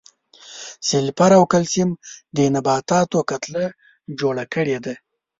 سلفر او کلسیم د نباتاتو کتله جوړه کړې ده.